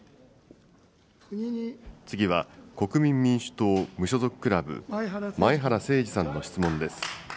次は国民民主党・無所属クラブ、前原誠司さんの質問です。